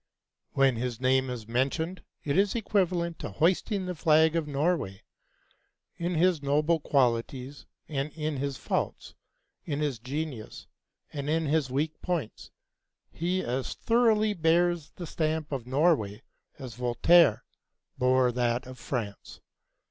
When his name is mentioned it is equivalent to hoisting the flag of Norway. In his noble qualities and in his faults, in his genius and in his weak points, he as thoroughly bears the stamp of Norway as Voltaire bore that of France.